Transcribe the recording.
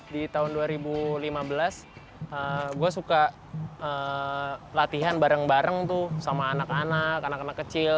di tahun dua ribu lima belas gue suka latihan bareng bareng tuh sama anak anak anak kecil